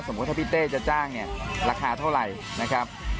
สมมุติถ้าพี่เต้จะจ้างราคาเท่าไหร่นะครับ